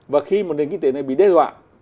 và khi mà nền kinh tế này bị đe dọa